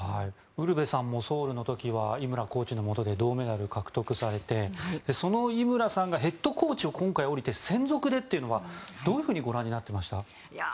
ウルヴェさんもソウルの時は井村コーチのもとで銅メダルを獲得されてその井村さんがヘッドコーチを今回、降りて専属でというのはどういうふうにご覧になってましたか。